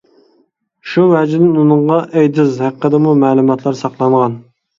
شۇ ۋەجىدىن ئۇنىڭغا ئەيدىز ھەققىدىمۇ مەلۇماتلار ساقلانغان.